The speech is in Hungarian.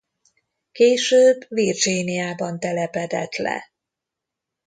Később Virginiában telepedett le.